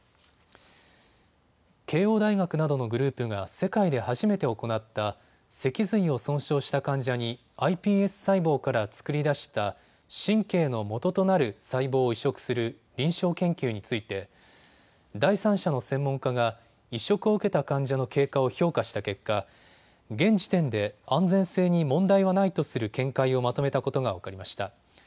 慶応大学などのグループが世界で初めて行った脊髄を損傷した患者にｉＰＳ細胞から作り出した神経のもととなる細胞を移植する臨床研究について第三者の専門家が移植を受けた患者の経過を評価した結果、現時点で安全性に問題はないとする見解をまとめたことが分かりました。